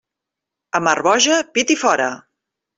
A mar boja, pit i fora.